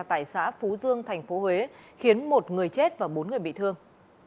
tại xã phú dương thành phố huế khiến một người chết và bốn người bị thương